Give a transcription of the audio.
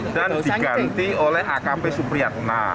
dan diganti oleh akp supriyatna